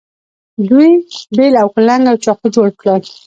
دوی بیل او کلنګ او چاقو جوړ کړل.